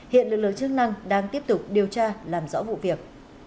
hiện lực lượng chức năng đang tiếp tục điều tra làm rõ vụ việc